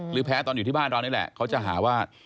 แพ้ตอนอยู่ที่บ้านเรานี่แหละเขาจะหาว่า